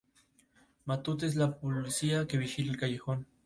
Matute es el policía que vigila el callejón.